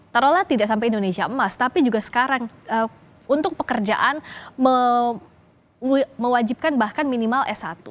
taruhlah tidak sampai indonesia emas tapi juga sekarang untuk pekerjaan mewajibkan bahkan minimal s satu